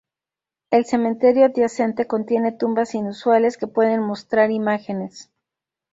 El cementerio adyacente contiene tumbas inusuales que pueden mostrar imágenes.